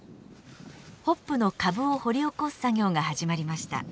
ホップの株を掘り起こす作業が始まりました。